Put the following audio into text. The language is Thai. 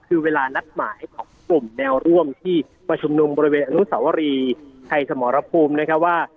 คือเวลานัดหมายของกลุ่มแนวร่วมที่ประชุมบริเวณอนุสาวรีไทยสมรภูมินะครับว่า